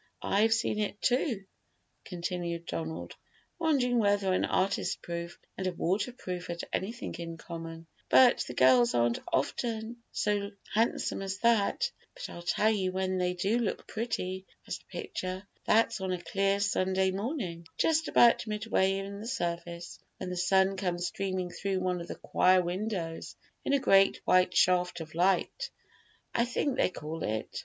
"I've seen it too," continued Donald, wondering whether an artist proof and a waterproof had anything in common; "but the girls aren't often so handsome as that; but I'll tell you when they do look pretty as a picture: that's on a clear Sunday morning, just about midway in the service, when the sun comes streaming through one of the choir windows in a great white shaft of light, I think they call it.